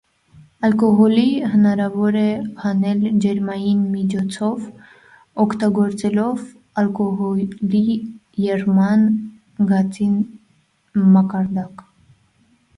Ալկոհոլի հնարավոր է հանել ջերմային միջոցով՝ օգտագործելով ալկոհոլի եռման ցածր մակարդակ։